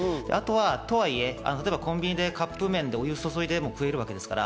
とはいえコンビニでカップ麺、お湯を注いで食えるわけですから。